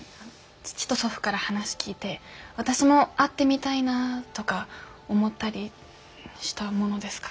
父と祖父から話聞いて私も会ってみたいなとか思ったりしたものですから。